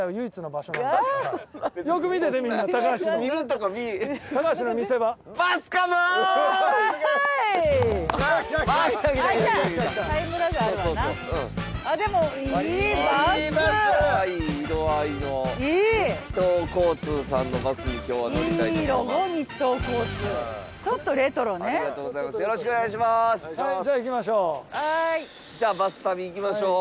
じゃあバス旅行きましょう。